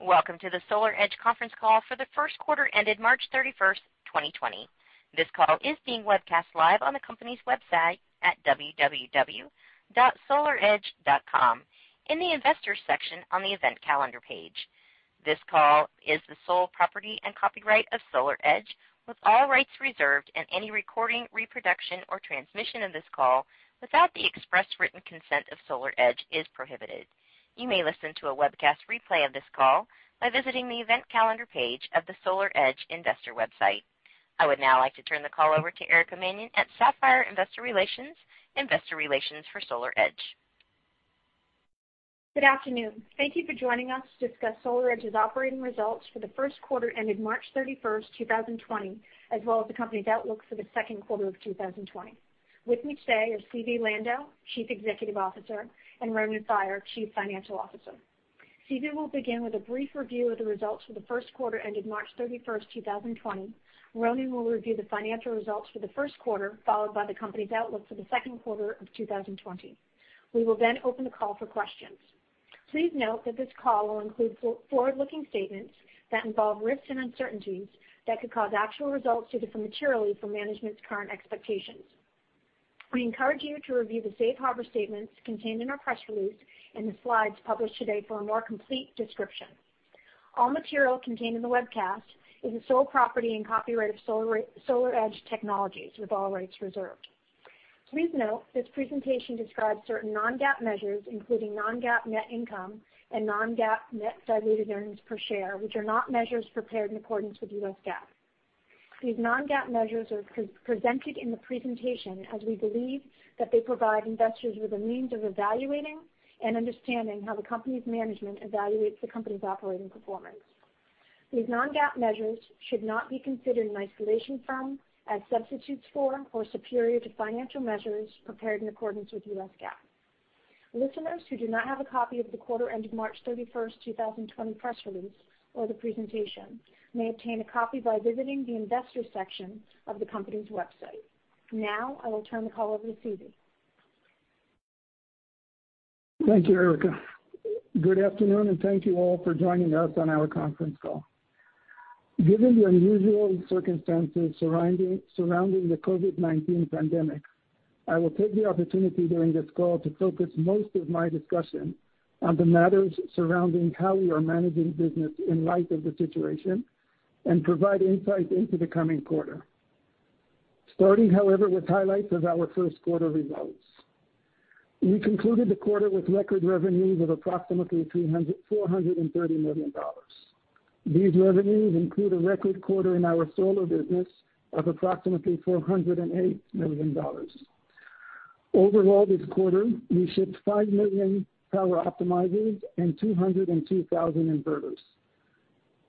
Welcome to the SolarEdge conference call for the first quarter ended March 31, 2020. This call is being webcast live on the company's website at www.solaredge.com in the Investors section on the Event Calendar page. This call is the sole property and copyright of SolarEdge, with all rights reserved and any recording, reproduction or transmission of this call without the express written consent of SolarEdge is prohibited. You may listen to a webcast replay of this call by visiting the Event Calendar page of the SolarEdge Investor website. I would now like to turn the call over to Erica Mannion at Sapphire Investor Relations, investor relations for SolarEdge. Good afternoon. Thank you for joining us to discuss SolarEdge's operating results for the first quarter ended March 31, 2020, as well as the company's outlook for the second quarter of 2020. With me today are Zvi Lando, Chief Executive Officer, and Ronen Faier, Chief Financial Officer. Zvi will begin with a brief review of the results for the first quarter ended March 31, 2020. Ronen will review the financial results for the first quarter, followed by the company's outlook for the second quarter of 2020. We will then open the call for questions. Please note that this call will include forward-looking statements that involve risks and uncertainties that could cause actual results to differ materially from management's current expectations. We encourage you to review the Safe Harbor statements contained in our press release and the slides published today for a more complete description. All material contained in the webcast is the sole property and copyright of SolarEdge Technologies, with all rights reserved. Please note, this presentation describes certain non-GAAP measures, including non-GAAP net income and non-GAAP net diluted earnings per share, which are not measures prepared in accordance with U.S. GAAP. These non-GAAP measures are presented in the presentation as we believe that they provide Investors with a means of evaluating and understanding how the company's management evaluates the company's operating performance. These non-GAAP measures should not be considered in isolation from, as substitutes for, or superior to financial measures prepared in accordance with U.S. GAAP. Listeners who do not have a copy of the quarter ending March 31, 2020 press release or the presentation may obtain a copy by visiting the Investors section of the company's website. Now, I will turn the call over to Zvi. Thank you, Erica. Good afternoon, thank you all for joining us on our conference call. Given the unusual circumstances surrounding the COVID-19 pandemic, I will take the opportunity during this call to focus most of my discussion on the matters surrounding how we are managing business in light of the situation and provide insights into the coming quarter. Starting, however, with highlights of our first quarter results. We concluded the quarter with record revenues of approximately $430 million. These revenues include a record quarter in our solar business of approximately $408 million. Overall, this quarter, we shipped 5 million Power Optimizers and 202,000 inverters.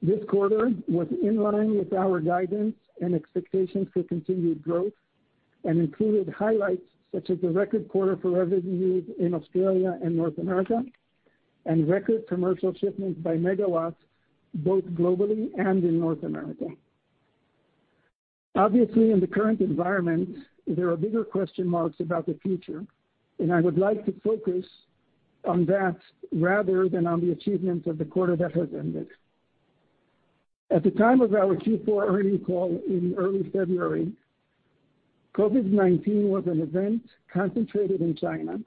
This quarter was in line with our guidance and expectations for continued growth and included highlights such as a record quarter for revenues in Australia and North America, and record commercial shipments by megawatts, both globally and in North America. Obviously, in the current environment, there are bigger question marks about the future, and I would like to focus on that rather than on the achievements of the quarter that has ended. At the time of our Q4 earnings call in early February, COVID-19 was an event concentrated in China,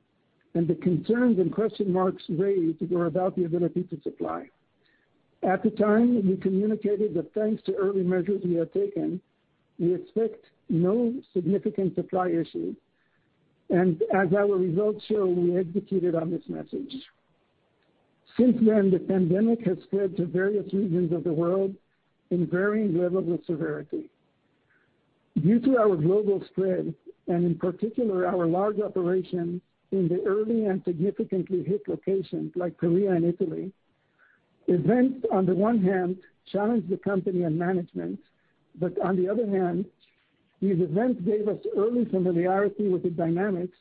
and the concerns and question marks raised were about the ability to supply. At the time, we communicated that thanks to early measures we had taken, we expect no significant supply issue. As our results show, we executed on this message. Since then, the pandemic has spread to various regions of the world in varying levels of severity. Due to our global spread, in particular, our large operation in the early and significantly hit locations like Korea and Italy, events on the one hand challenged the company and management, on the other hand, these events gave us early familiarity with the dynamics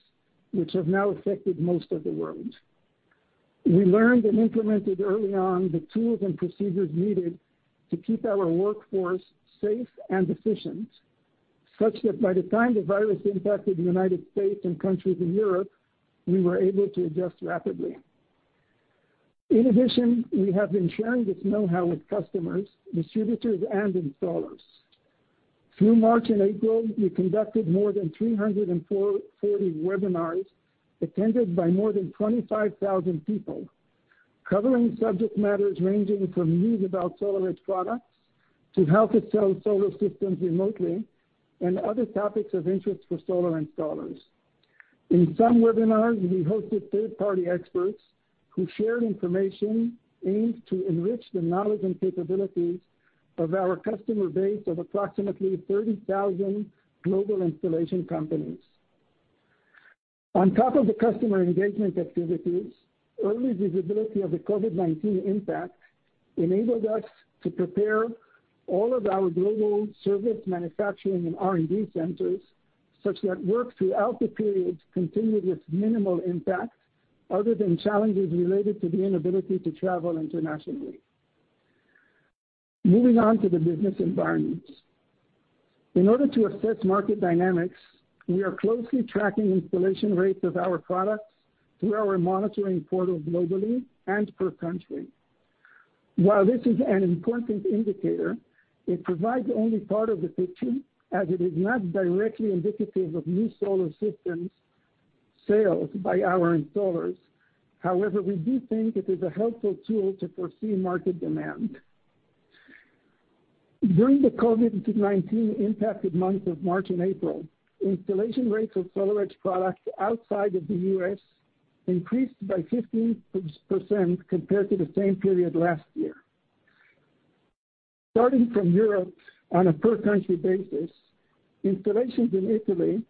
which have now affected most of the world. We learned and implemented early on the tools and procedures needed to keep our workforce safe and efficient, such that by the time the virus impacted the United States and countries in Europe, we were able to adjust rapidly. In addition, we have been sharing this knowhow with customers, distributors, and installers. Through March and April, we conducted more than 340 webinars attended by more than 25,000 people, covering subject matters ranging from news about SolarEdge products to how to sell solar systems remotely and other topics of interest for solar installers. In some webinars, we hosted third-party experts who shared information aimed to enrich the knowledge and capabilities of our customer base of approximately 30,000 global installation companies. On top of the customer engagement activities, early visibility of the COVID-19 impact enabled us to prepare all of our global service, manufacturing, and R&D centers such that work throughout the period continued with minimal impact other than challenges related to the inability to travel internationally. Moving on to the business environment. In order to assess market dynamics, we are closely tracking installation rates of our products through our monitoring portal globally and per country. While this is an important indicator, it provides only part of the picture, as it is not directly indicative of new solar systems sales by our installers. However, we do think it is a helpful tool to foresee market demand. During the COVID-19 impacted months of March and April, installation rates of SolarEdge products outside of the U.S. increased by 15% compared to the same period last year. Starting from Europe on a per country basis, installations in Italy,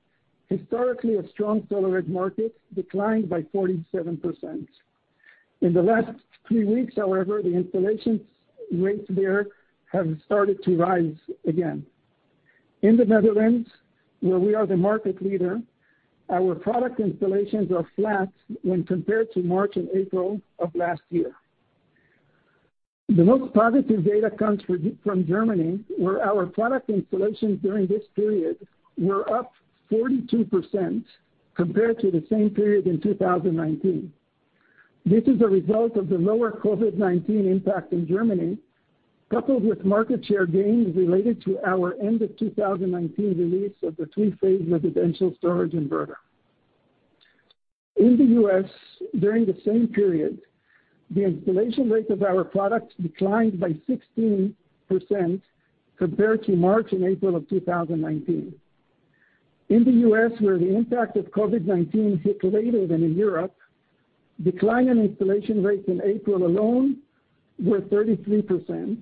historically a strong SolarEdge market, declined by 47%. In the last three weeks, however, the installations rates there have started to rise again. In the Netherlands, where we are the market leader, our product installations are flat when compared to March and April of last year. The most positive data comes from Germany, where our product installations during this period were up 42% compared to the same period in 2019. This is a result of the lower COVID-19 impact in Germany, coupled with market share gains related to our end of 2019 release of the three-phase residential storage inverter. In the U.S., during the same period, the installation rate of our products declined by 16% compared to March and April of 2019. In the U.S., where the impact of COVID-19 hit later than in Europe, decline in installation rates in April alone were 33%,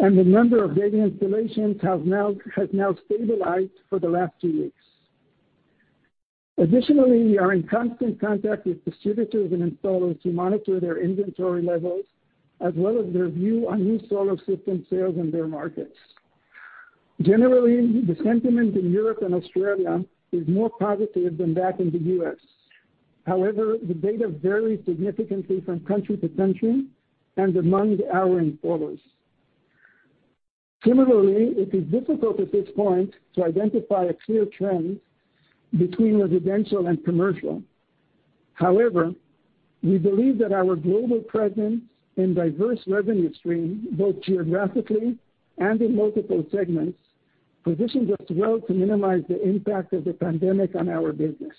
and the number of daily installations has now stabilized for the last two weeks. Additionally, we are in constant contact with distributors and installers to monitor their inventory levels, as well as their view on new solar system sales in their markets. Generally, the sentiment in Europe and Australia is more positive than that in the U.S. However, the data varies significantly from country to country and among our installers. Similarly, it is difficult at this point to identify a clear trend between residential and commercial. We believe that our global presence and diverse revenue stream, both geographically and in multiple segments, positions us well to minimize the impact of the pandemic on our business.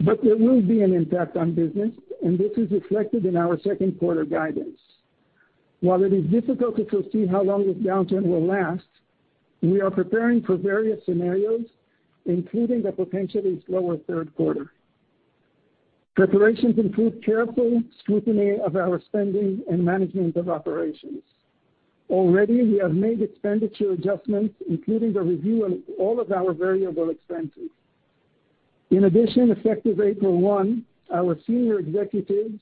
There will be an impact on business, and this is reflected in our second quarter guidance. While it is difficult to foresee how long this downturn will last, we are preparing for various scenarios, including the potentially slower third quarter. Preparations include careful scrutiny of our spending and management of operations. Already, we have made expenditure adjustments, including the review on all of our variable expenses. In addition, effective April 1, our Senior Executives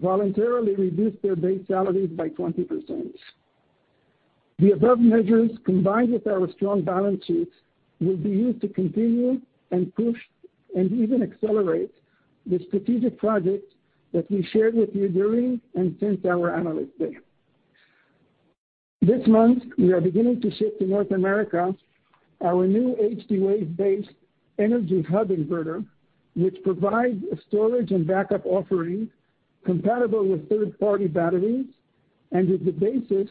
voluntarily reduced their base salaries by 20%. The above measures, combined with our strong balance sheets, will be used to continue and push, and even accelerate, the strategic projects that we shared with you during and since our Analyst Day. This month, we are beginning to ship to North America our new HD-Wave-based Energy Hub Inverter, which provides a storage and backup offering compatible with third-party batteries and is the basis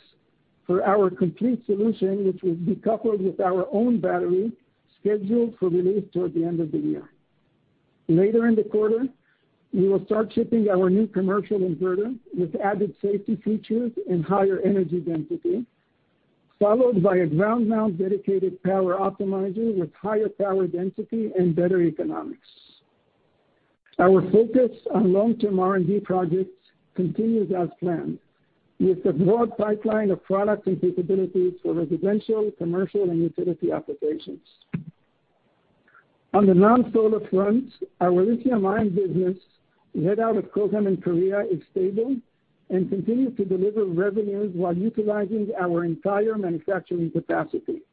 for our complete solution, which will be coupled with our own battery scheduled for release toward the end of the year. Later in the quarter, we will start shipping our new commercial inverter with added safety features and higher energy density, followed by a ground mount dedicated power optimizer with higher power density and better economics. Our focus on long-term R&D projects continues as planned, with a broad pipeline of products and capabilities for residential, commercial, and utility applications. On the non-solar front, our lithium-ion business, head out of Kokam in Korea, is stable and continues to deliver revenues while utilizing our entire manufacturing capacity.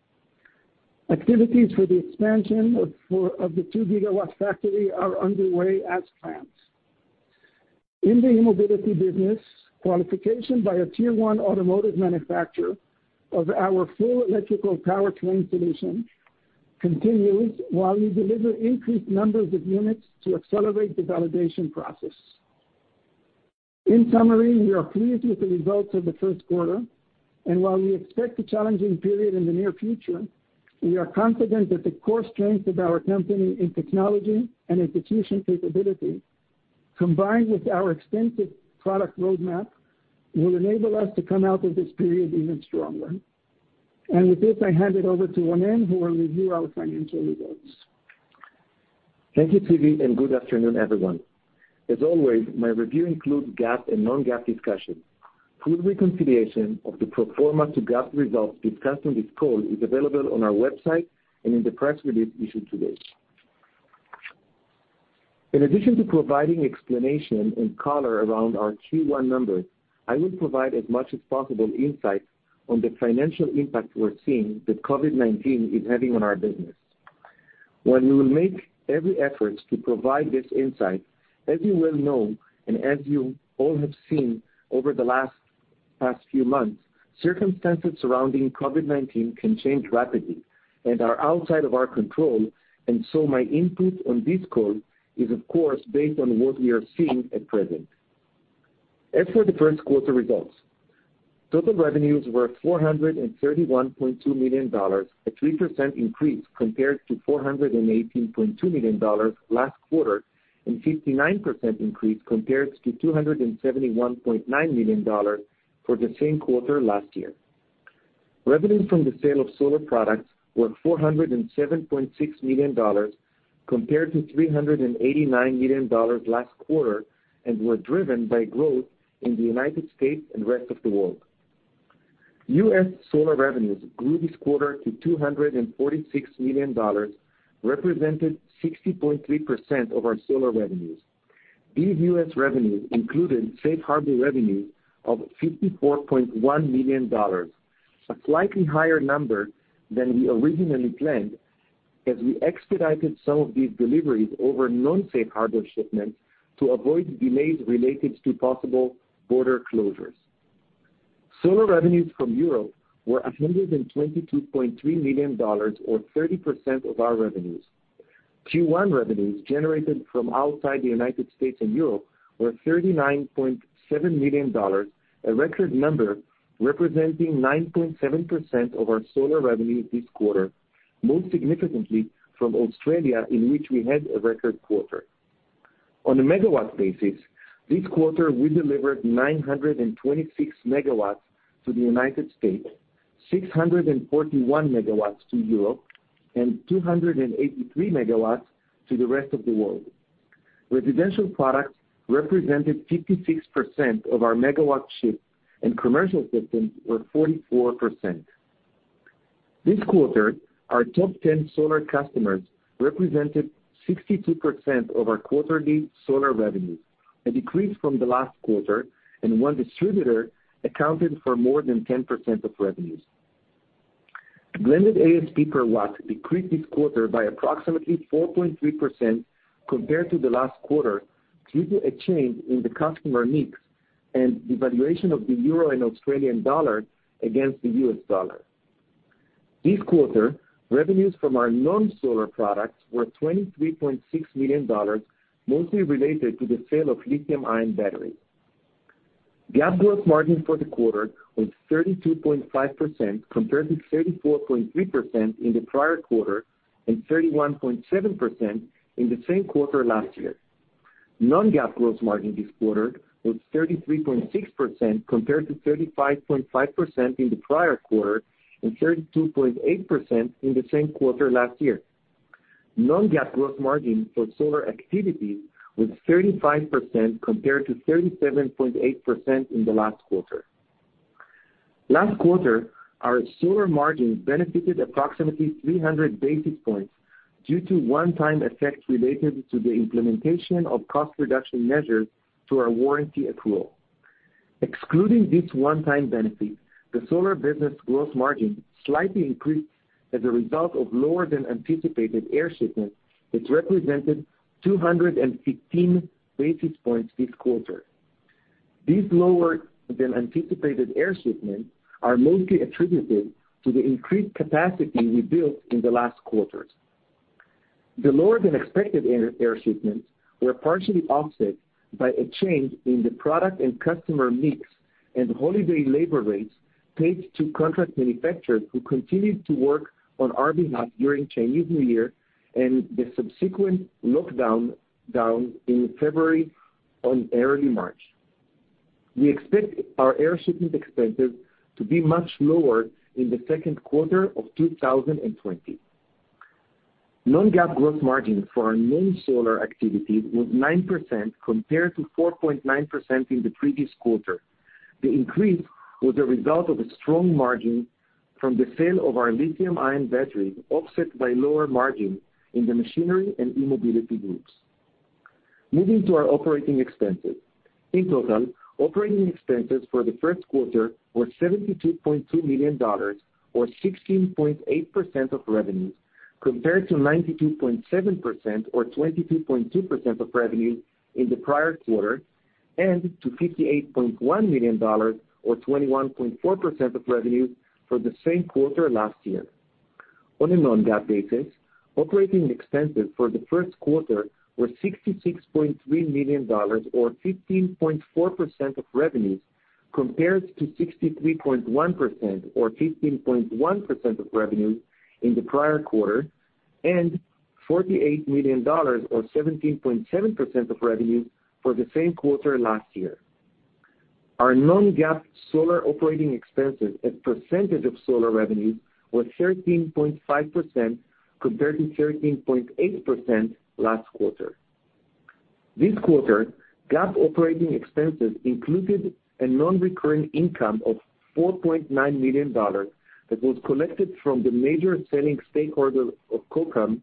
Activities for the expansion of the 2-GW factory are underway as planned. In the e-mobility business, qualification by a Tier 1 automotive manufacturer of our full electrical powertrain solution continues while we deliver increased numbers of units to accelerate the validation process. In summary, we are pleased with the results of the first quarter, and while we expect a challenging period in the near future, we are confident that the core strength of our company in technology and execution capability, combined with our extensive product roadmap, will enable us to come out of this period even stronger. With this, I hand it over to Ronen, who will review our financial results. Thank you, Zvi, good afternoon everyone? As always, my review includes GAAP and non-GAAP discussions. Full reconciliation of the pro forma to GAAP results discussed on this call is available on our website and in the press release issued today. In addition to providing explanation and color around our Q1 numbers, I will provide as much as possible insight on the financial impact we're seeing that COVID-19 is having on our business. While we will make every effort to provide this insight, as you well know and as you all have seen over the past few months, circumstances surrounding COVID-19 can change rapidly and are outside of our control, my input on this call is, of course, based on what we are seeing at present. As for the first quarter results, total revenues were $431.2 million, a 3% increase compared to $418.2 million last quarter, 59% increase compared to $271.9 million for the same quarter last year. Revenue from the sale of solar products were $407.6 million compared to $389 million last quarter and were driven by growth in the United States and rest of the world. U.S. solar revenues grew this quarter to $246 million, represented 60.3% of our solar revenues. These U.S. revenues included Safe Harbor revenues of $54.1 million, a slightly higher number than we originally planned, as we expedited some of these deliveries over non-Safe Harbor shipments to avoid delays related to possible border closures. Solar revenues from Europe were $122.3 million, or 30% of our revenues. Q1 revenues generated from outside the United States and Europe were $39.7 million, a record number representing 9.7% of our solar revenues this quarter, most significantly from Australia, in which we had a record quarter. On a megawatt basis, this quarter, we delivered 926 MW to the United States, 641 MW to Europe, and 283 MW to the rest of the world. Residential products represented 56% of our megawatt ships, and commercial systems were 44%. This quarter, our top 10 solar customers represented 62% of our quarterly solar revenues, a decrease from the last quarter, and one distributor accounted for more than 10% of revenues. Blended ASP per watt decreased this quarter by approximately 4.3% compared to the last quarter, due to a change in the customer mix and devaluation of the euro and Australian dollar against the U.S. dollar. This quarter, revenues from our non-solar products were $23.6 million, mostly related to the sale of lithium-ion batteries. GAAP gross margin for the quarter was 32.5%, compared to 34.3% in the prior quarter and 31.7% in the same quarter last year. non-GAAP gross margin this quarter was 33.6%, compared to 35.5% in the prior quarter and 32.8% in the same quarter last year. non-GAAP gross margin for solar activities was 35%, compared to 37.8% in the last quarter. Last quarter, our solar margin benefited approximately 300 basis points due to a one-time effect related to the implementation of cost reduction measures to our warranty accrual. Excluding this one-time benefit, the solar business gross margin slightly increased as a result of lower-than-anticipated air shipments, which represented 215 basis points this quarter. These lower-than-anticipated air shipments are mostly attributed to the increased capacity we built in the last quarters. The lower-than-expected air shipments were partially offset by a change in the product and customer mix and holiday labor rates paid to contract manufacturers who continued to work on our behalf during Chinese New Year and the subsequent lockdown in February and early March. We expect our air shipment expenses to be much lower in the second quarter of 2020. Non-GAAP gross margin for our non-solar activities was 9% compared to 4.9% in the previous quarter. The increase was a result of a strong margin from the sale of our lithium-ion batteries, offset by lower margin in the machinery and e-mobility groups. Moving to our operating expenses. In total, operating expenses for the first quarter were $72.2 million, or 16.8% of revenues, compared to $92.7 million, or 22.2% of revenues in the prior quarter, and to $58.1 million, or 21.4% of revenues for the same quarter last year. On a non-GAAP basis, operating expenses for the first quarter were $66.3 million or 15.4% of revenues, compared to 63.1% or 15.1% of revenues in the prior quarter, and $48 million or 17.7% of revenues for the same quarter last year. Our non-GAAP solar operating expenses at percentage of solar revenues was 13.5%, compared to 13.8% last quarter. This quarter, GAAP operating expenses included a non-recurring income of $4.9 million that was collected from the major selling stakeholder of Kokam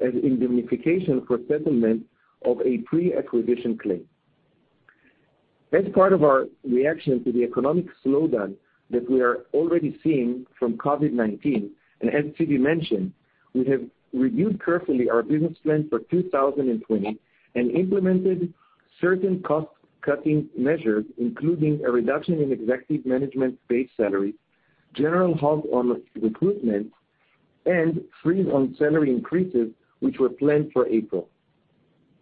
as indemnification for settlement of a pre-acquisition claim. As part of our reaction to the economic slowdown that we are already seeing from COVID-19, and as Zvi mentioned, we have reviewed carefully our business plan for 2020 and implemented certain cost-cutting measures, including a reduction in executive management base salary, general halt on recruitment, and freeze on salary increases, which were planned for April.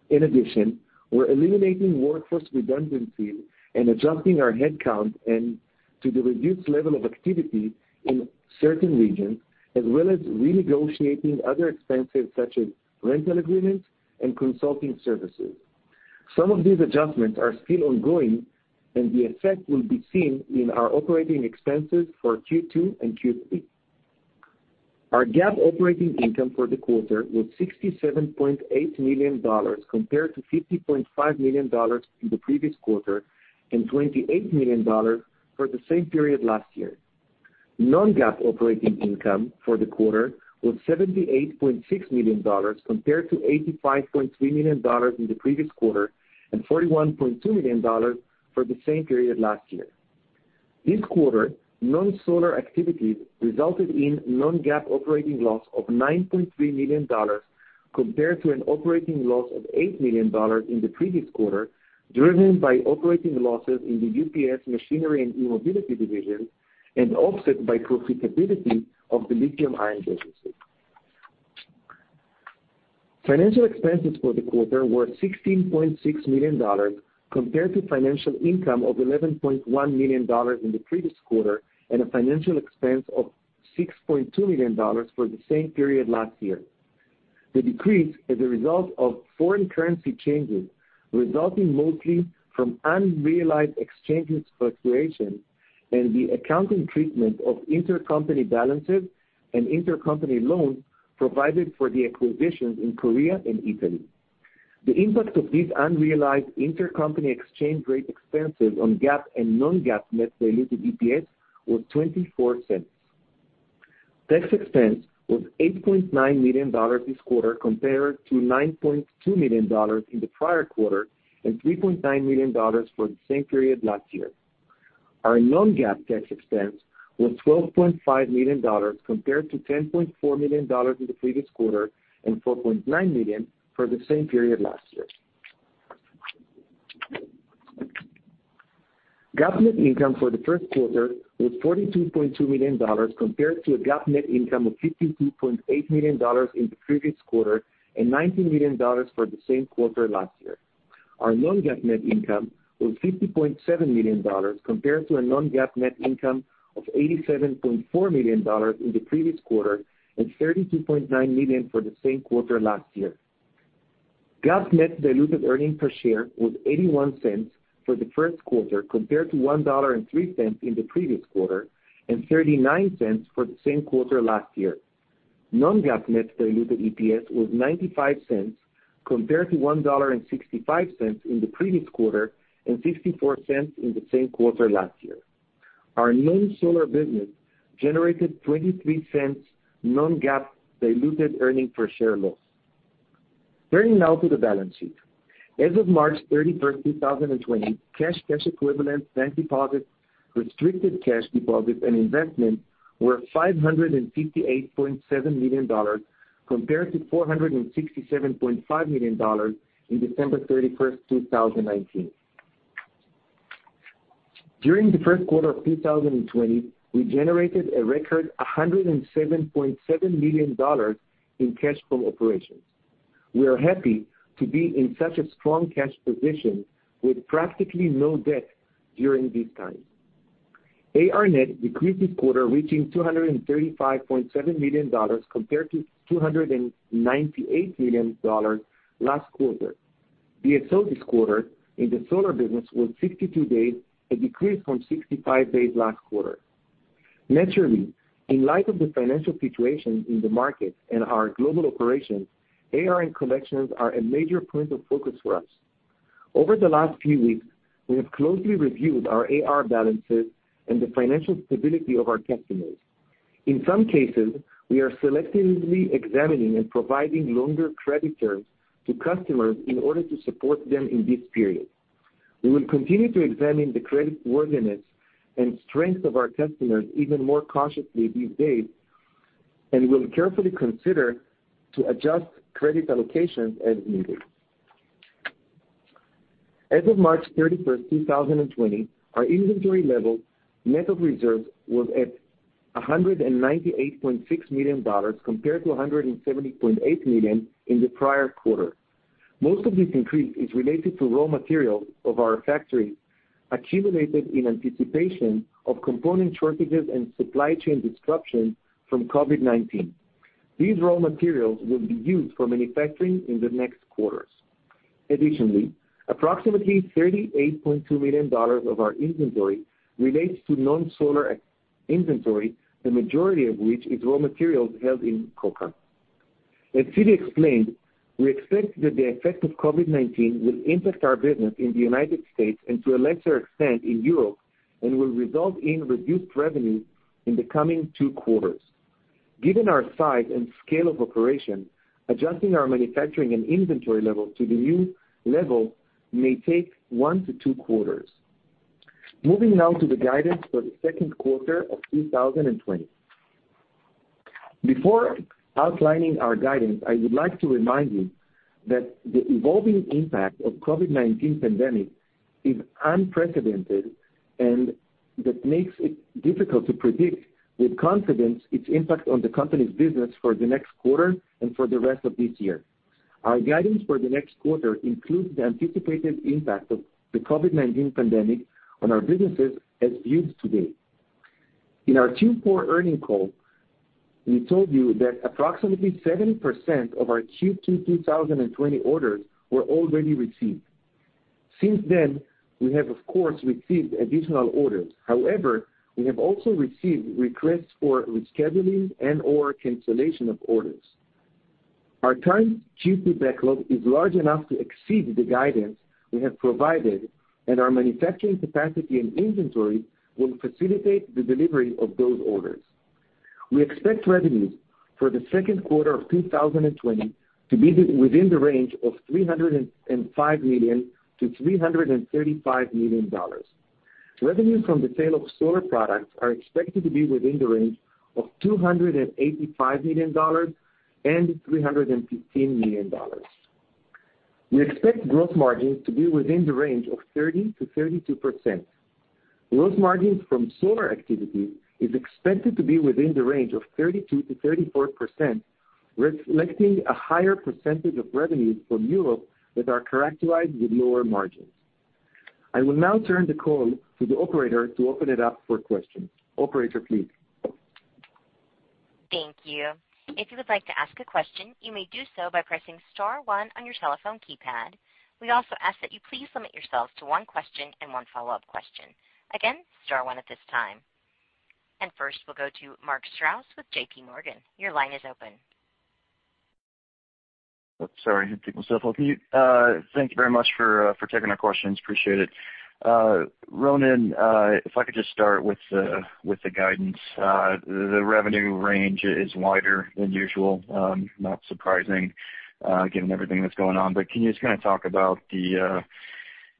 In addition, we're eliminating workforce redundancies and adjusting our headcount to the reduced level of activity in certain regions, as well as renegotiating other expenses such as rental agreements and consulting services. Some of these adjustments are still ongoing, and the effect will be seen in our operating expenses for Q2 and Q3. Our GAAP operating income for the quarter was $67.8 million compared to $50.5 million in the previous quarter and $28 million for the same period last year. Non-GAAP operating income for the quarter was $78.6 million compared to $85.3 million in the previous quarter and $41.2 million for the same period last year. This quarter, non-solar activities resulted in non-GAAP operating loss of $9.3 million compared to an operating loss of $8 million in the previous quarter, driven by operating losses in the UPS machinery and e-mobility division and offset by profitability of the lithium-ion business. Financial expenses for the quarter were $16.6 million compared to financial income of $11.1 million in the previous quarter and a financial expense of $6.2 million for the same period last year. The decrease is a result of foreign currency changes, resulting mostly from unrealized exchanges fluctuation and the accounting treatment of intercompany balances and intercompany loans provided for the acquisitions in Korea and Italy. The impact of these unrealized intercompany exchange rate expenses on GAAP and non-GAAP net diluted EPS was $0.24. Tax expense was $8.9 million this quarter compared to $9.2 million in the prior quarter and $3.9 million for the same period last year. Our non-GAAP tax expense was $12.5 million compared to $10.4 million in the previous quarter and $4.9 million for the same period last year. GAAP net income for the first quarter was $42.2 million compared to a GAAP net income of $52.8 million in the previous quarter and $19 million for the same quarter last year. Our non-GAAP net income was $50.7 million compared to a non-GAAP net income of $87.4 million in the previous quarter and $32.9 million for the same quarter last year. GAAP net diluted earnings per share was $0.81 for the first quarter, compared to $1.03 in the previous quarter, and $0.39 for the same quarter last year. Non-GAAP net diluted EPS was $0.95, compared to $1.65 in the previous quarter and $0.54 in the same quarter last year. Our non-solar business generated $0.23 non-GAAP diluted earnings per share loss. Turning now to the balance sheet. As of March 31, 2020, cash, cash equivalents, bank deposits, restricted cash deposits, and investments were $558.7 million compared to $467.5 million in December 31, 2019. During the first quarter of 2020, we generated a record $107.7 million in cash from operations. We are happy to be in such a strong cash position with practically no debt during this time. AR net decreased this quarter, reaching $235.7 million compared to $298 million last quarter. DSO this quarter in the solar business was 62 days, a decrease from 65 days last quarter. Naturally, in light of the financial situation in the market and our global operations, AR and collections are a major point of focus for us. Over the last few weeks, we have closely reviewed our AR balances and the financial stability of our customers. In some cases, we are selectively examining and providing longer credit terms to customers in order to support them in this period. We will continue to examine the creditworthiness and strength of our customers even more cautiously these days and will carefully consider to adjust credit allocations as needed. As of March 31st, 2020, our inventory level net of reserves was at $198.6 million compared to $170.8 million in the prior quarter. Most of this increase is related to raw materials of our factory accumulated in anticipation of component shortages and supply chain disruption from COVID-19. These raw materials will be used for manufacturing in the next quarters. Additionally, approximately $38.2 million of our inventory relates to non-solar inventory, the majority of which is raw materials held in Kokam. As Zvi explained, we expect that the effect of COVID-19 will impact our business in the United States and to a lesser extent in Europe, and will result in reduced revenues in the coming two quarters. Given our size and scale of operation, adjusting our manufacturing and inventory level to the new level may take one to two quarters. Moving now to the guidance for the second quarter of 2020. Before outlining our guidance, I would like to remind you that the evolving impact of COVID-19 pandemic is unprecedented, and that makes it difficult to predict with confidence its impact on the company's business for the next quarter and for the rest of this year. Our guidance for the next quarter includes the anticipated impact of the COVID-19 pandemic on our businesses as viewed today. In our Q4 earnings call, we told you that approximately 70% of our Q2 2020 orders were already received. Since then, we have, of course, received additional orders. However, we have also received requests for rescheduling and/or cancellation of orders. Our current Q2 backlog is large enough to exceed the guidance we have provided, and our manufacturing capacity and inventory will facilitate the delivery of those orders. We expect revenues for the second quarter of 2020 to be within the range of $305 million-$335 million. Revenues from the sale of solar products are expected to be within the range of $285 million and $315 million. We expect gross margins to be within the range of 30%-32%. Gross margins from solar activity is expected to be within the range of 32%-34%, reflecting a higher percentage of revenues from Europe that are characterized with lower margins. I will now turn the call to the Operator to open it up for questions. Operator, please. Thank you. If you would like to ask a question, you may do so by pressing star one on your telephone keypad. We also ask that you please limit yourselves to one question and one follow-up question. Again, star one at this time. First, we'll go to Mark Strouse with JPMorgan, your line is open. Sorry, had to get myself unmute. Thank you very much for taking our questions. Appreciate it. Ronen, if I could just start with the guidance. The revenue range is wider than usual. Not surprising, given everything that's going on. Can you just talk about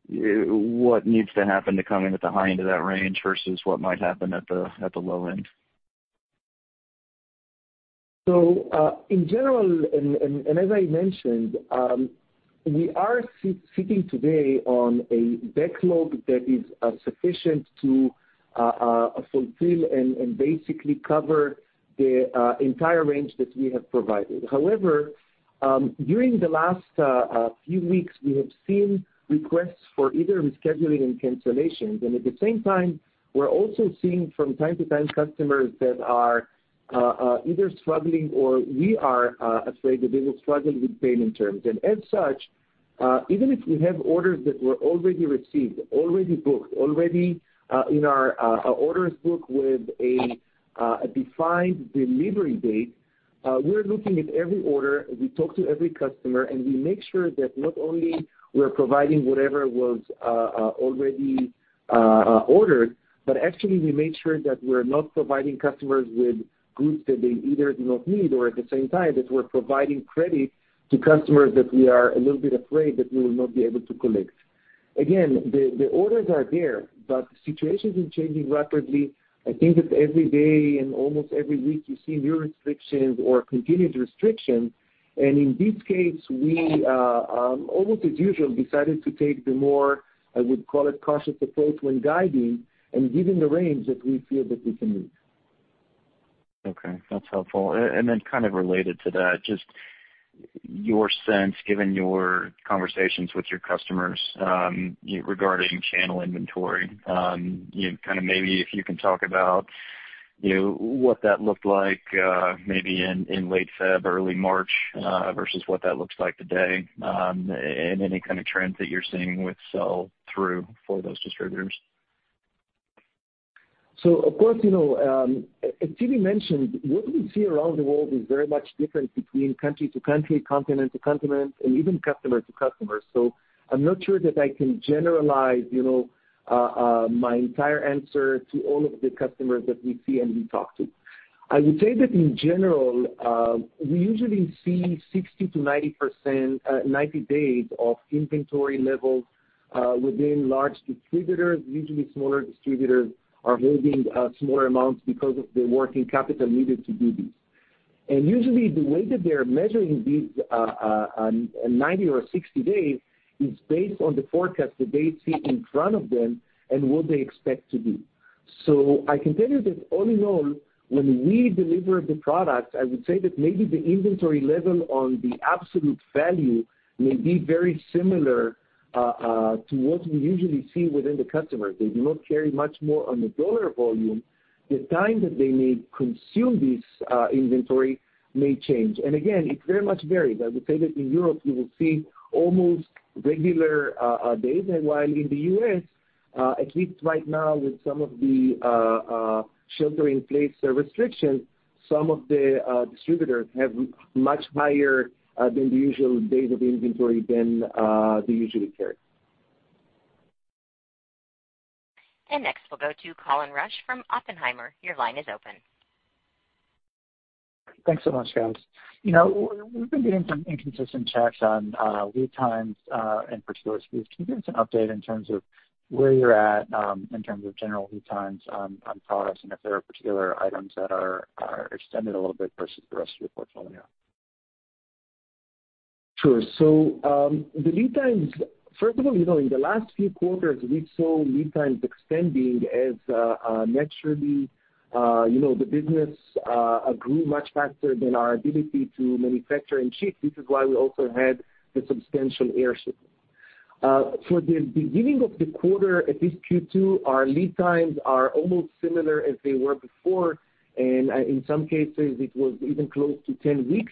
what needs to happen to come in at the high end of that range versus what might happen at the low end? In general, and as I mentioned, we are sitting today on a backlog that is sufficient to fulfill and basically cover the entire range that we have provided. However, during the last few weeks, we have seen requests for either rescheduling and cancellations. At the same time, we're also seeing from time to time customers that are either struggling, or we are afraid that they will struggle with payment terms. As such, even if we have orders that were already received, already booked, already in our orders book with a defined delivery date, we're looking at every order. We talk to every customer. We make sure that not only we're providing whatever was already ordered, but actually, we make sure that we're not providing customers with goods that they either do not need or at the same time, that we're providing credit to customers that we are a little bit afraid that we will not be able to collect. Again, the orders are there. The situation is changing rapidly. I think that every day and almost every week, you see new restrictions or continued restrictions. In this case, we, almost as usual, decided to take the more, I would call it, cautious approach when guiding and giving the range that we feel that we can meet. Okay. That's helpful. Then kind of related to that, just your sense, given your conversations with your customers, regarding channel inventory. Maybe if you can talk about what that looked like maybe in late February, early March, versus what that looks like today, and any kind of trends that you're seeing with sell-through for those distributors. Of course, as Zvi mentioned, what we see around the world is very much different between country to country, continent to continent, and even customer to customer. I'm not sure that I can generalize my entire answer to all of the customers that we see and we talk to. I would say that in general, we usually see 60 days to 90 days of inventory levels within large distributors. Usually, smaller distributors are holding smaller amounts because of the working capital needed to do this. Usually, the way that they're measuring these 90 days or 60 days is based on the forecast that they see in front of them and what they expect to do. I can tell you that all in all, when we deliver the product, I would say that maybe the inventory level on the absolute value may be very similar to what we usually see within the customer. They do not carry much more on the dollar volume. The time that they may consume this inventory may change. Again, it very much varies. I would say that in Europe, you will see almost regular days. While in the U.S., at least right now with some of the shelter-in-place restrictions, some of the distributors have much higher than the usual days of inventory than they usually carry. Next we'll go to Colin Rusch from Oppenheimer, your line is open. Thanks so much, guys. We've been getting some inconsistent checks on lead times and particular speeds. Can you give us an update in terms of where you're at, in terms of general lead times on products and if there are particular items that are extended a little bit versus the rest of your portfolio? Sure. The lead times, first of all, in the last few quarters, we've seen lead times extending as naturally the business grew much faster than our ability to manufacture and ship, which is why we also had the substantial air shipment. For the beginning of the quarter, at least Q2, our lead times are almost similar as they were before, and in some cases, it was even close to 10 weeks.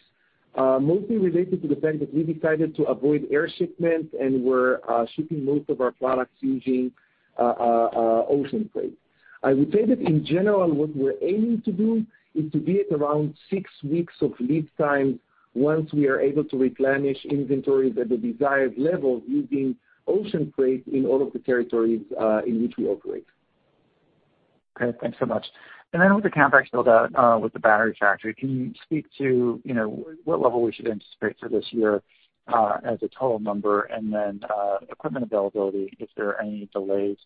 Mostly related to the fact that we decided to avoid air shipment and we're shipping most of our products using ocean freight. I would say that in general, what we're aiming to do is to be at around six weeks of lead time once we are able to replenish inventory at the desired level using ocean freight in all of the territories in which we operate. Okay, thanks so much. With the CapEx build out with the battery factory, can you speak to what level we should anticipate for this year, as a total number? Equipment availability, is there any delays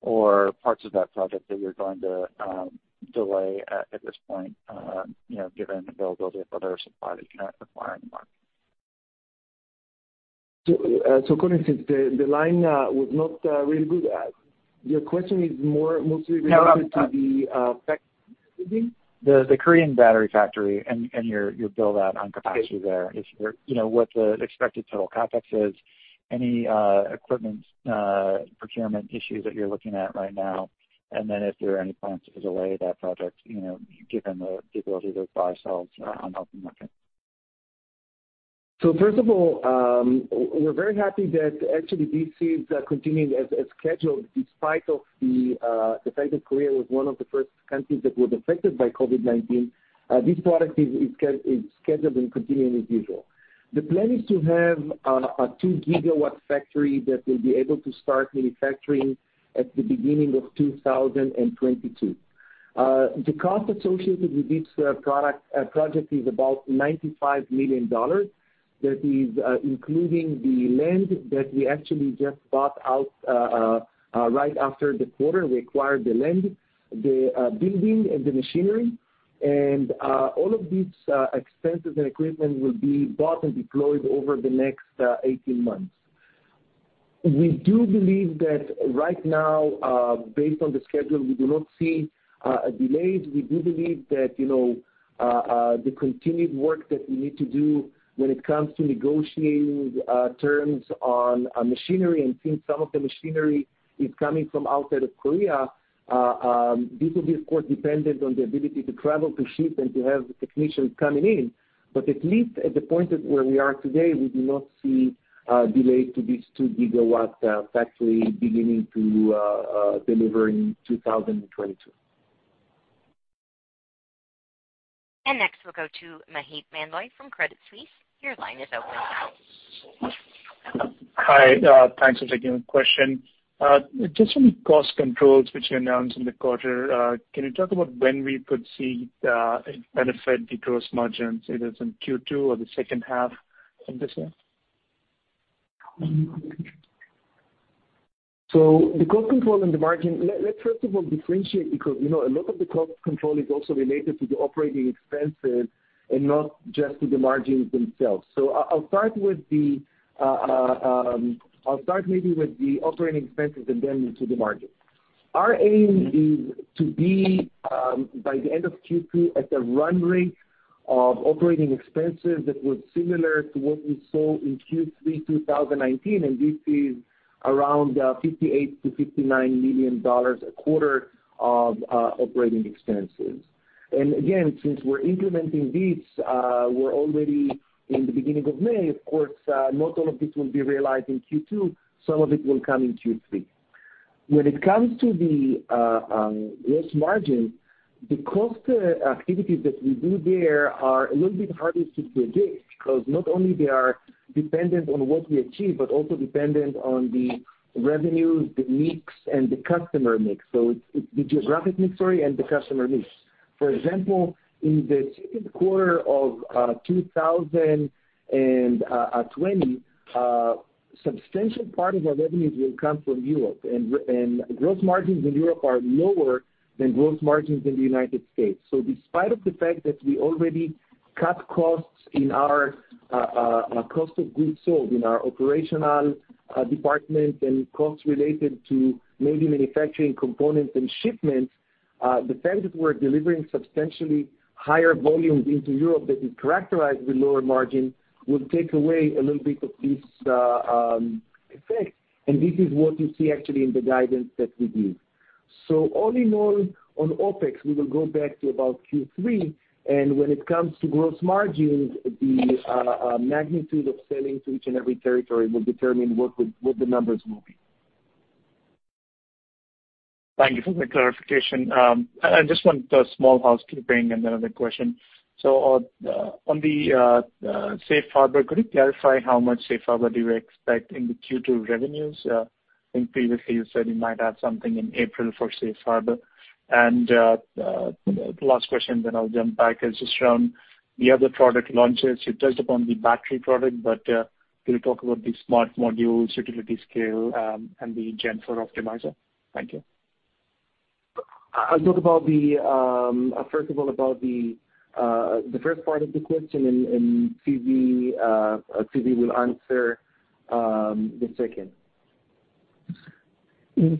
or parts of that project that you're going to delay at this point, given availability of other supply that you cannot supply on the market? Colin, since the line was not really good, your question is mostly related- No. To the factory, you're saying? The Korean battery factory and your build out on capacity there. What the expected total CapEx is, any equipment procurement issues that you're looking at right now, and then if there are any plans to delay that project, given the difficulty to buy cells on the open market. First of all, we're very happy that actually this is continuing as scheduled despite the fact that Korea was one of the first countries that was affected by COVID-19. This product is scheduled and continuing as usual. The plan is to have a 2-GW factory that will be able to start manufacturing at the beginning of 2022. The cost associated with this project is about $95 million. That is including the land that we actually just bought out, right after the quarter, we acquired the land, the building, and the machinery. All of these expenses and equipment will be bought and deployed over the next 18 months. We do believe that right now, based on the schedule, we do not see delays. We do believe that, the continued work that we need to do when it comes to negotiating terms on machinery, and since some of the machinery is coming from outside of Korea, this will be, of course, dependent on the ability to travel, to ship, and to have technicians coming in. But at least at the point of where we are today, we do not see a delay to this 2-GW factory beginning to deliver in 2022. Next, we'll go to Maheep Mandloi from Credit Suisse, your line is open now. Hi, thanks for taking the question. Just on cost controls, which you announced in the quarter, can you talk about when we could see the benefit, the gross margins, either it's in Q2 or the second half of this year? The cost control and the margin, let's first of all differentiate because a lot of the cost control is also related to the operating expenses and not just to the margins themselves. I'll start maybe with the operating expenses and then to the margin. Our aim is to be, by the end of Q2, at a run rate of operating expenses that was similar to what we saw in Q3 2019, and this is around $58 million-$59 million a quarter of operating expenses. Again, since we're implementing these, we're already in the beginning of May, of course, not all of it will be realized in Q2, some of it will come in Q3. When it comes to the gross margin, the cost activities that we do there are a little bit harder to predict because not only they are dependent on what we achieve, but also dependent on the revenue, the mix, and the customer mix. The geographic mix story and the customer mix. For example, in the second quarter of 2020, a substantial part of our revenues will come from Europe, and gross margins in Europe are lower than gross margins in the United States. Despite the fact that we already cut costs in our cost of goods sold, in our operational department, and costs related to maybe manufacturing components and shipments, the fact that we're delivering substantially higher volumes into Europe that is characterized with lower margin will take away a little bit of this effect, and this is what you see actually in the guidance that we give. All in all, on OpEx, we will go back to about Q3, and when it comes to gross margin, the magnitude of selling to each and every territory will determine what the numbers will be. Thank you for the clarification. I just want a small housekeeping and another question. On the Safe Harbor, could you clarify how much Safe Harbor do you expect in the Q2 revenues? I think previously you said you might have something in April for Safe Harbor. Last question then I'll jump back is just around the other product launches. You touched upon the battery product, but can you talk about the Smart Modules, utility scale, and the gen four optimizer? Thank you. I'll talk, first of all, about the first part of the question, and Zvi will answer the second. Yes.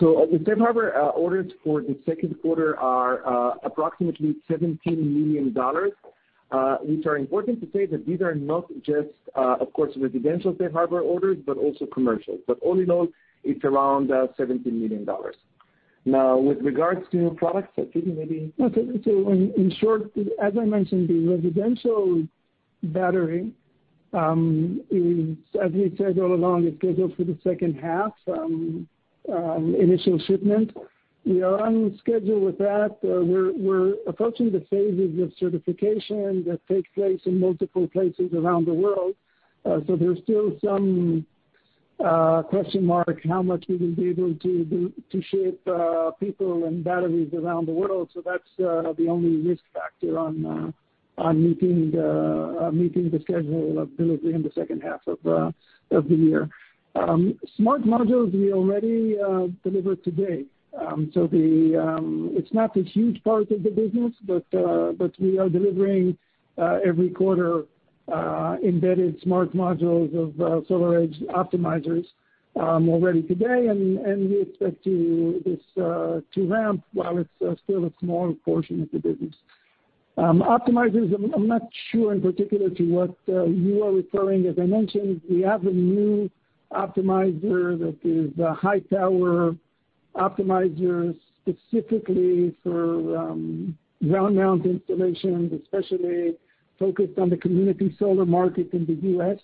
The Safe Harbor orders for the second quarter are approximately $17 million, which are important to say that these are not just, of course, residential Safe Harbor orders, but also commercial. All in all, it's around $17 million. With regards to products, Zvi maybe. Okay. In short, as I mentioned, the residential battery, as we said all along, it goes up to the second half, initial shipment. We are on schedule with that. We're approaching the phases of certification that takes place in multiple places around the world. There's still some question mark how much we will be able to ship people and batteries around the world. That's the only risk factor on meeting the schedule ability in the second half of the year. Smart Modules we already deliver today. It's not this huge part of the business, but we are delivering every quarter, embedded Smart Modules of SolarEdge optimizers already today, and we expect this to ramp while it's still a small portion of the business. Optimizers, I'm not sure in particular to what you are referring. As I mentioned, we have a new ground mount dedicated power optimizer specifically for ground mount installations, especially focused on the community solar market in the U.S.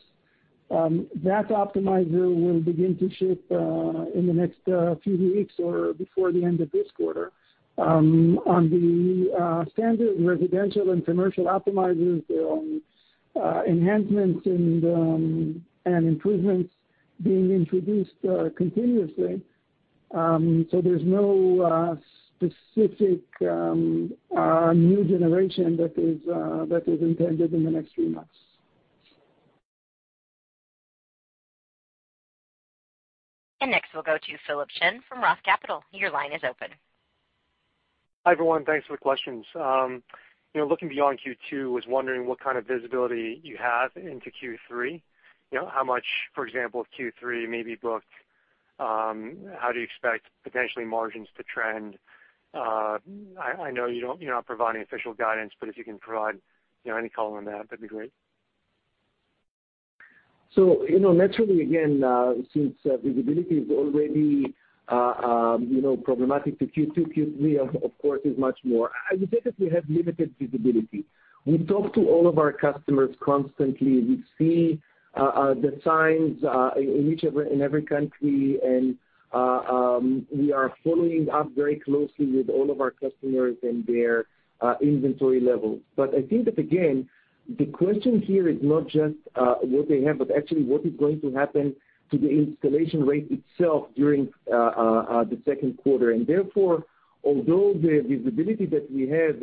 That optimizer will begin to ship in the next few weeks or before the end of this quarter. On the standard residential and commercial optimizers, there are enhancements and improvements being introduced continuously. There's no specific new generation that is intended in the next three months. Next, we'll go to Philip Shen from ROTH Capital Partners, your line is open. Hi everyone? Thanks for the questions. Looking beyond Q2, I was wondering what kind of visibility you have into Q3. How much, for example, of Q3 may be booked? How do you expect potentially margins to trend? I know you're not providing official guidance, but if you can provide any color on that'd be great. Naturally, again, since visibility is already problematic to Q2, Q3 of course, is much more. I would say that we have limited visibility. We talk to all of our customers constantly. We see the signs in every country, and we are following up very closely with all of our customers and their inventory levels. I think that, again, the question here is not just what they have, but actually what is going to happen to the installation rate itself during the second quarter. Therefore, although the visibility that we have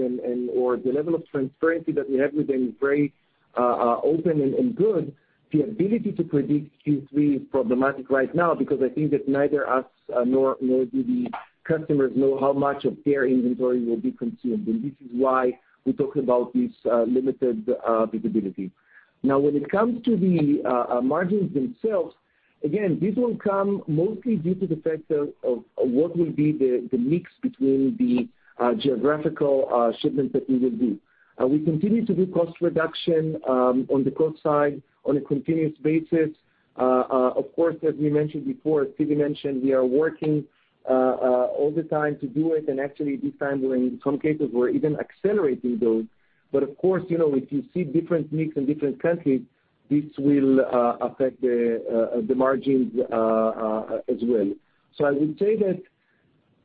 or the level of transparency that we have with them is very open and good, the ability to predict Q3 is problematic right now because I think that neither us, nor do the customers know how much of their inventory will be consumed. This is why we talk about this limited visibility. Now, when it comes to the margins themselves, again, this will come mostly due to the factor of what will be the mix between the geographical shipments that we will do. We continue to do cost reduction on the cost side on a continuous basis. Of course, as we mentioned before, Zvi mentioned we are working all the time to do it, and actually this time doing some cases we're even accelerating those. Of course, if you see different mix in different countries, this will affect the margins as well. I would say that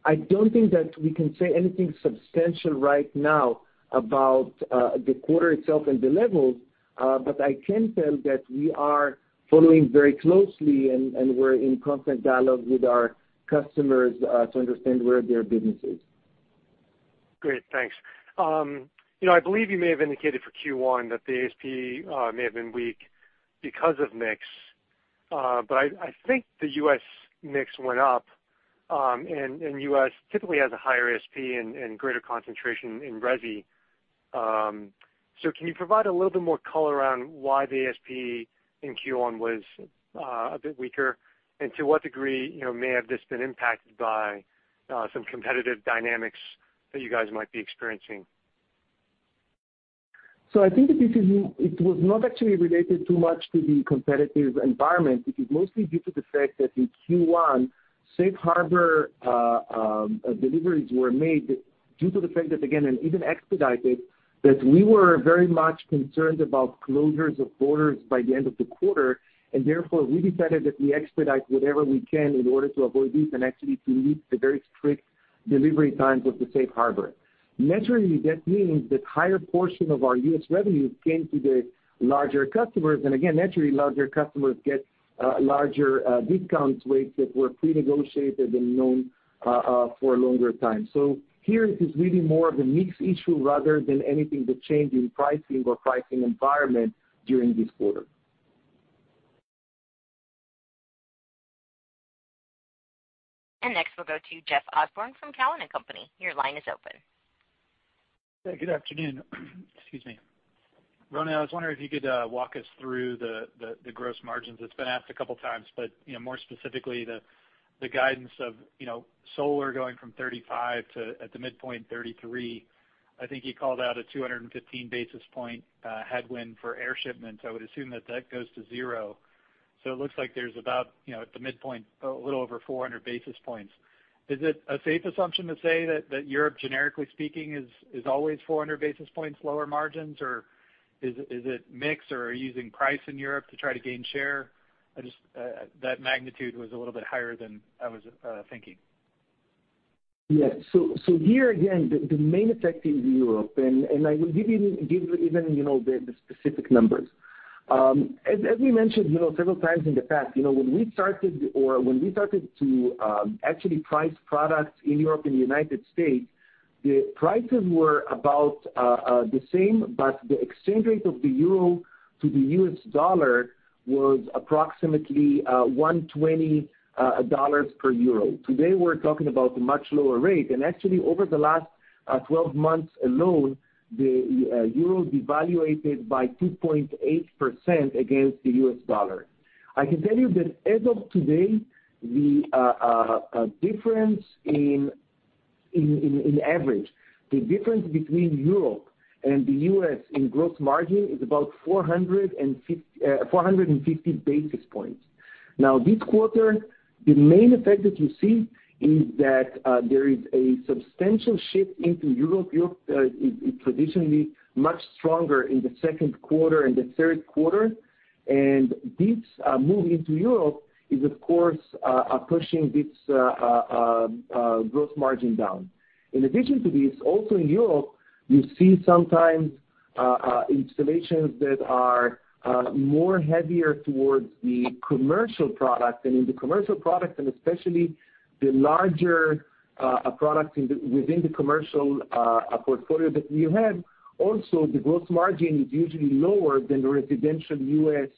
I don't think that we can say anything substantial right now about the quarter itself and the levels. I can tell that we are following very closely, and we're in constant dialogue with our customers to understand where their business is. Great. Thanks. I believe you may have indicated for Q1 that the ASP may have been weak because of mix. I think the U.S. mix went up, and U.S. typically has a higher ASP and greater concentration in resi. Can you provide a little bit more color around why the ASP in Q1 was a bit weaker, and to what degree may have this been impacted by some competitive dynamics that you guys might be experiencing? I think that it was not actually related too much to the competitive environment. It is mostly due to the fact that in Q1, Safe Harbor deliveries were made due to the fact that, again, and even expedited, that we were very much concerned about closures of borders by the end of the quarter, and therefore we decided that we expedite whatever we can in order to avoid this and actually to meet the very strict delivery times of the Safe Harbor. Naturally, that means that higher portion of our U.S. revenue came to the larger customers, and again, naturally, larger customers get larger discount rates that were pre-negotiated and known for a longer time. Here, it is really more of a mix issue rather than anything, the change in pricing or pricing environment during this quarter. Next, we'll go to Jeff Osborne from Cowen and Company, your line is open. Yeah, good afternoon? Excuse me. Ronen, I was wondering if you could walk us through the gross margins. It's been asked a couple of times, more specifically, the guidance of solar going from 35% to, at the midpoint, 33%. I think you called out a 215 basis point headwind for air shipments. I would assume that that goes to zero. It looks like there's about, at the midpoint, a little over 400 basis points. Is it a safe assumption to say that Europe, generically speaking, is always 400 basis points lower margins, or is it mix, or are you using price in Europe to try to gain share? That magnitude was a little bit higher than I was thinking. Yes. Here, again, the main effect is Europe, and I will give you even the specific numbers. As we mentioned several times in the past, when we started to actually price products in Europe and the United States, the prices were about the same, but the exchange rate of the euro to the U.S. dollar was approximately $120 per euro. Today, we're talking about a much lower rate. Actually, over the last 12 months alone, the euro devaluated by 2.8% against the U.S. dollar. I can tell you that as of today, in average, the difference between Europe and the U.S. in gross margin is about 450 basis points. This quarter, the main effect that you see is that there is a substantial shift into Europe. Europe is traditionally much stronger in the second quarter and the third quarter, and this move into Europe is, of course, pushing this gross margin down. In addition to this, also in Europe, you see sometimes installations that are more heavier towards the commercial product. In the commercial product, and especially the larger product within the commercial portfolio that you have, also the gross margin is usually lower than the residential U.S.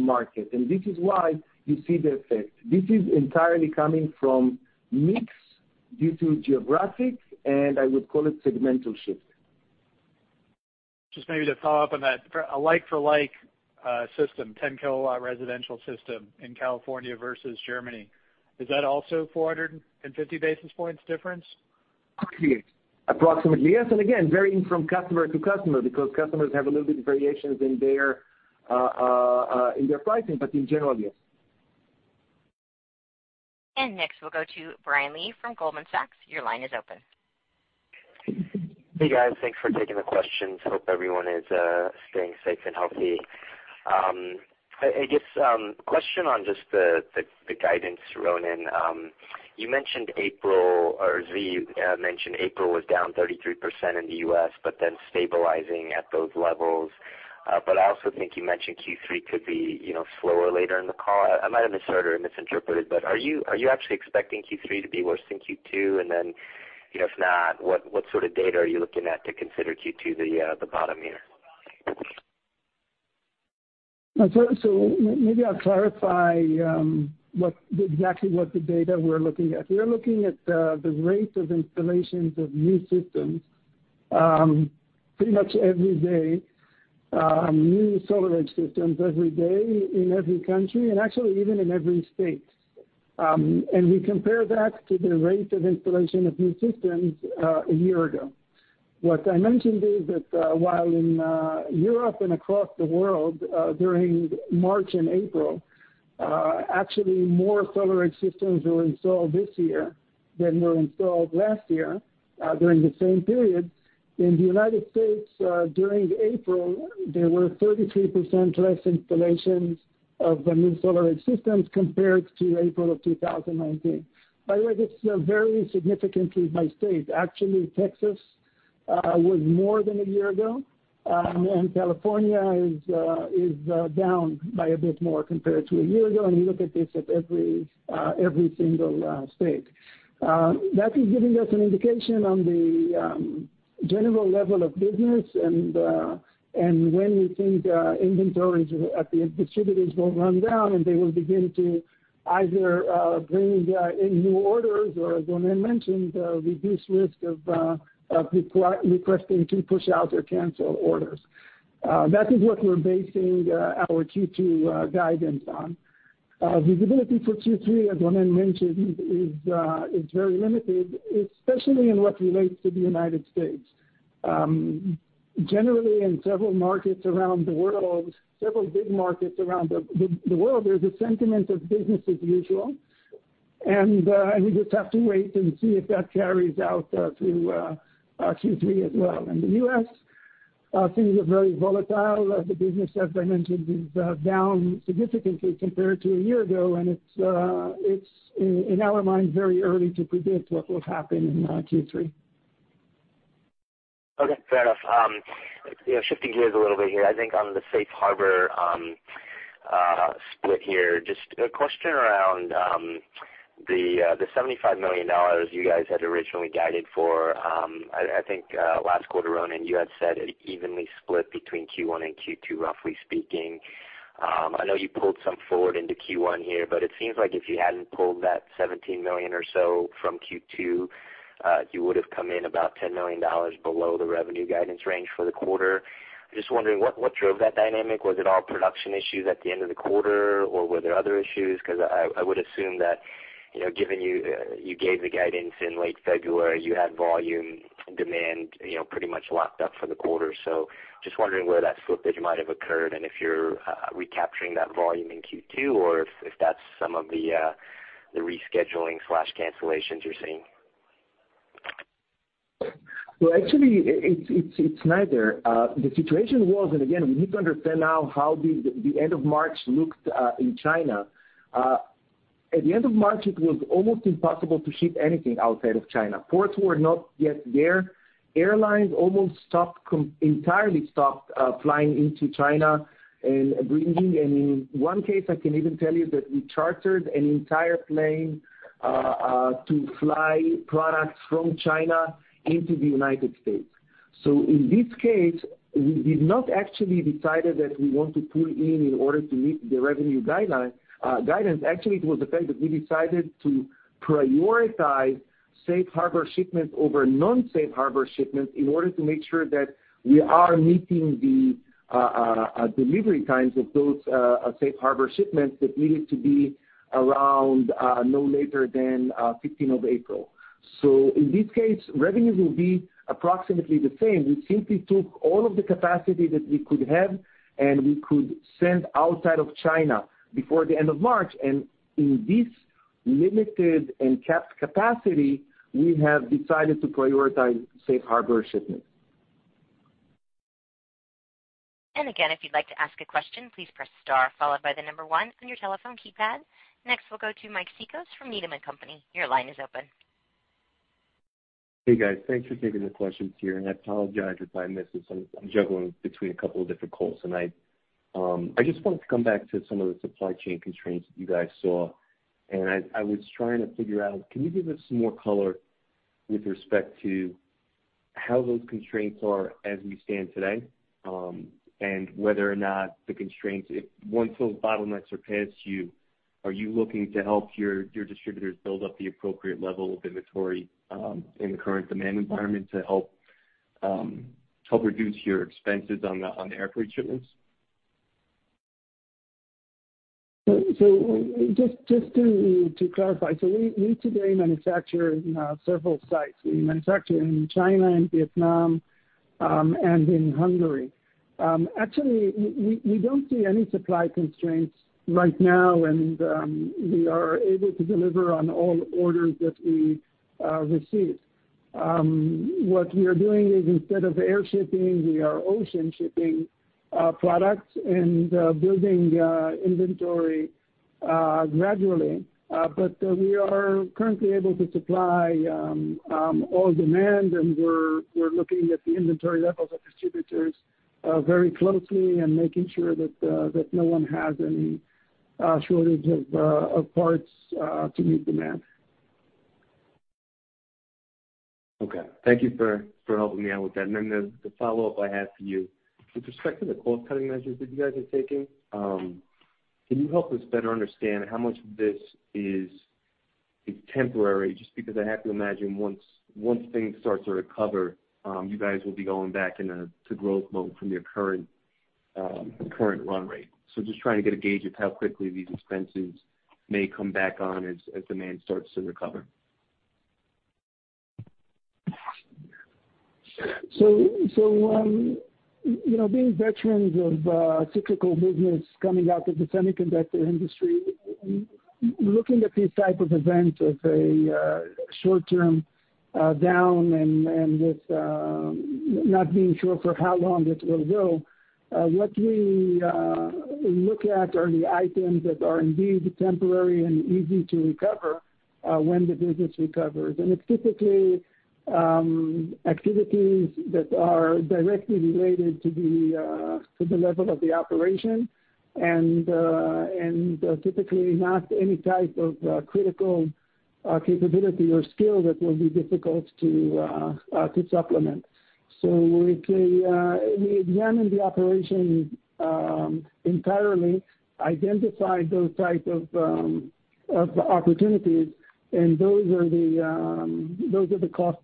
market, and this is why you see the effect. This is entirely coming from mix due to geographic, and I would call it segmental shift. Just maybe to follow up on that, a like-for-like system, 10-kW residential system in California versus Germany, is that also 450 basis points difference? Approximately, yes. Again, varying from customer to customer, because customers have a little bit of variations in their pricing, but in general, yes. Next, we'll go to Brian Lee from Goldman Sachs, your line is open. Hey, guys. Thanks for taking the questions. Hope everyone is staying safe and healthy. I guess, question on just the guidance, Ronen. You mentioned April was down 33% in the U.S., but then stabilizing at those levels. I also think you mentioned Q3 could be slower later in the call. I might have misheard or misinterpreted, but are you actually expecting Q3 to be worse than Q2? If not, what sort of data are you looking at to consider Q2 the bottom here? Maybe I'll clarify exactly what the data we're looking at. We are looking at the rate of installations of new systems pretty much every day, new SolarEdge systems every day in every country, and actually even in every state. We compare that to the rate of installation of new systems a year ago. What I mentioned is that while in Europe and across the world, during March and April, actually more SolarEdge systems were installed this year than were installed last year during the same period. In the United States, during April, there were 33% less installations of the new SolarEdge systems compared to April of 2019. By the way, this varies significantly by state. Actually, Texas was more than a year ago, and California is down by a bit more compared to a year ago, and you look at this at every single state. That is giving us an indication on the general level of business and when we think inventories at the distributors will run down and they will begin to either bring in new orders or, as Ronen mentioned, reduce risk of requesting to push out or cancel orders. That is what we're basing our Q2 guidance on. Visibility for Q3, as Ronen mentioned, is very limited, especially in what relates to the United States. Generally, in several big markets around the world, there's a sentiment of business as usual, and we just have to wait and see if that carries out through Q3 as well in the U.S. Things are very volatile. The business, as I mentioned, is down significantly compared to a year ago, and it's, in our minds, very early to predict what will happen in Q3. Okay, fair enough. Shifting gears a little bit here, I think on the Safe Harbor split here, just a question around the $75 million you guys had originally guided for, I think, last quarter, Ronen, and you had said evenly split between Q1 and Q2, roughly speaking. I know you pulled some forward into Q1 here, but it seems like if you hadn't pulled that $17 million or so from Q2, you would've come in about $10 million below the revenue guidance range for the quarter. Just wondering what drove that dynamic. Was it all production issues at the end of the quarter, or were there other issues? I would assume that, given you gave the guidance in late February, you had volume demand pretty much locked up for the quarter. Just wondering where that slippage might have occurred and if you're recapturing that volume in Q2 or if that's some of the rescheduling/cancellations you're seeing? Well, actually, it's neither. The situation was, again, we need to understand now how the end of March looked in China. At the end of March, it was almost impossible to ship anything outside of China. Ports were not yet there. Airlines almost entirely stopped flying into China and bringing in. In one case, I can even tell you that we chartered an entire plane to fly products from China into the United States. In this case, we did not actually decide that we want to pull in order to meet the revenue guidance. Actually, it was the fact that we decided to prioritize Safe Harbor shipments over non-Safe Harbor shipments in order to make sure that we are meeting the delivery times of those Safe Harbor shipments that needed to be around no later than April 15. In this case, revenues will be approximately the same. We simply took all of the capacity that we could have, and we could send outside of China before the end of March. In this limited and capped capacity, we have decided to prioritize Safe Harbor shipments. Again, if you'd like to ask a question, please press star followed by the number one on your telephone keypad. Next, we'll go to Mike Cikos from Needham & Company, your line is open. Hey, guys. Thanks for taking the questions here. I apologize if I missed this. I'm juggling between a couple of different calls tonight. I just wanted to come back to some of the supply chain constraints that you guys saw, and I was trying to figure out, can you give us some more color with respect to how those constraints are as we stand today, and whether or not the constraints, if once those bottlenecks are past you, are you looking to help your distributors build up the appropriate level of inventory in the current demand environment to help reduce your expenses on the air freight shipments? Just to clarify, so we today manufacture in several sites. We manufacture in China, in Vietnam, and in Hungary. We don't see any supply constraints right now, and we are able to deliver on all orders that we receive. What we are doing is instead of air shipping, we are ocean shipping products and building inventory gradually. We are currently able to supply all demand, and we're looking at the inventory levels of distributors very closely and making sure that no one has any shortage of parts to meet demand. Okay. Thank you for helping me out with that. The follow-up I had for you, with respect to the cost-cutting measures that you guys are taking, can you help us better understand how much of this is temporary? Just because I have to imagine once things start to recover, you guys will be going back into growth mode from your current run rate. Just trying to get a gauge of how quickly these expenses may come back on as demand starts to recover. Being veterans of a cyclical business coming out of the semiconductor industry, looking at this type of event as a short-term down and with not being sure for how long this will go, what we look at are the items that are indeed temporary and easy to recover when the business recovers. It's typically activities that are directly related to the level of the operation and typically not any type of critical capability or skill that will be difficult to supplement. We examine the operation entirely, identify those type of opportunities, and those are the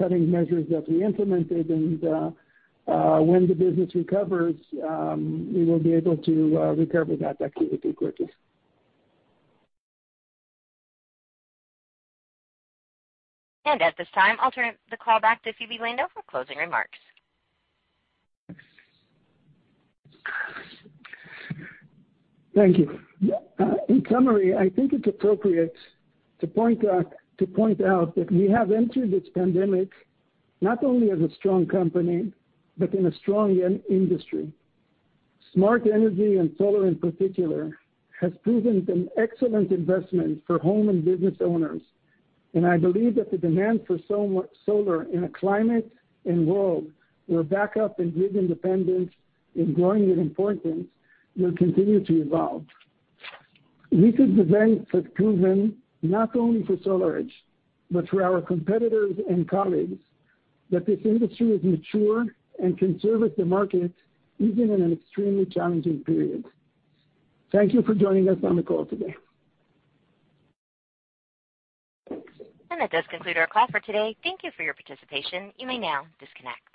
cost-cutting measures that we implemented. When the business recovers, we will be able to recover that activity quickly. At this time, I'll turn the call back to Zvi Lando for closing remarks. Thank you. In summary, I think it is appropriate to point out that we have entered this pandemic not only as a strong company, but in a strong industry. Smart energy and solar, in particular, has proven an excellent investment for home and business owners, and I believe that the demand for solar in a climate and world where backup and grid independence is growing in importance will continue to evolve. Recent events have proven not only for SolarEdge, but for our competitors and colleagues, that this industry is mature and can service the market even in an extremely challenging period. Thank you for joining us on the call today. That does conclude our call for today. Thank you for your participation, you may now disconnect.